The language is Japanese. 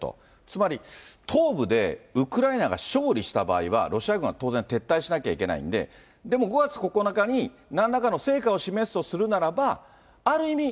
つまり、東部でウクライナが勝利した場合は、ロシア軍は当然撤退しなきゃいけないんで、でも５月９日に、なんらかの成果を示すとするならば、ある意味、